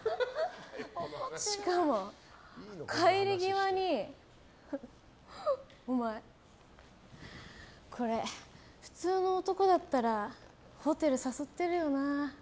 しかも、帰り際にお前、これ、普通の男だったらホテル誘ってるよな。